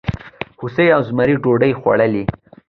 هوسۍ او زمري ډوډۍ خوړلې؟